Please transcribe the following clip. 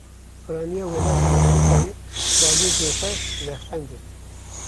Piraniya welatên Ewropayê, balyozên xwe vexwendin